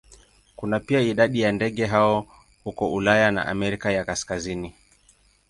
Kuna pia idadi ya ndege hao huko Ulaya na Amerika ya Kaskazini.